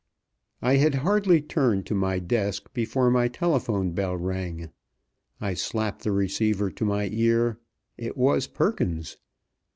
I had hardly turned to my desk before my telephone bell rang. I slapped the receiver to my ear. It was Perkins!